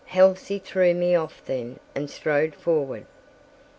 Halsey threw me off then and strode forward.